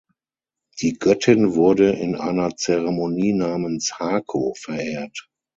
Die Göttin wurde in einer Zeremonie namens "Hako" verehrt.